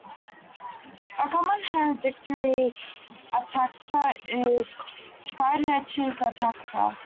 A common hereditary ataxia is Friedreich's ataxia.